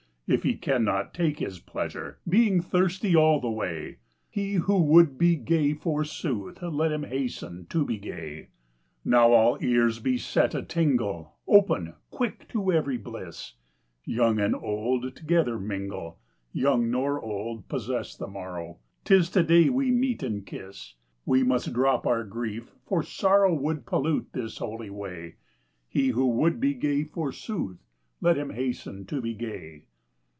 If he cannot take his pleasure, Being thirsty all the way ? He who would be gay, forsooth, Let him hasten to be gay. 73 Now all ears be set a tingle, Open, quick to every bliss 1 Young and old together mingle, Young nor old possess the morrow, 'Tis to day we meet and kiss ; We must drop our grief, for sorrow Would pollute this holy way : He who would be gay, forsooth, Let him hasten to be gay.